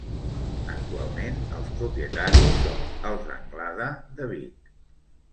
Actualment els propietaris són els Anglada de Vic.